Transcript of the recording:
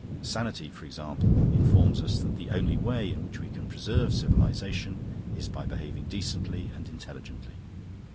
Sanity, for example, informs us that the only way in which we can preserve civilisation is by behaving decently and intelligently.